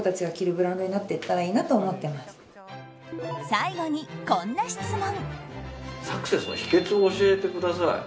最後に、こんな質問。